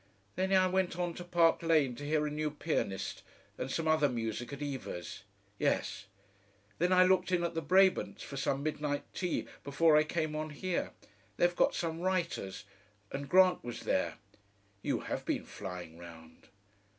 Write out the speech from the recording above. Then I went on to Park Lane to hear a new pianist and some other music at Eva's." "Yes." "Then I looked in at the Brabants' for some midnight tea before I came on here. They'd got some writers and Grant was there." "You HAVE been flying round...."